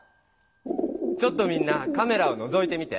ちょっとみんなカメラをのぞいてみて。